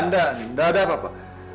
nggak ada apa apa